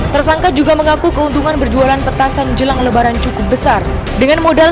tersangka juga mengaku keuntungan berjualan petasan jelang lebaran cukup besar dengan modal